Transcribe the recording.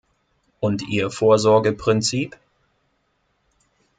Und ihr Vorsorgeprinzip?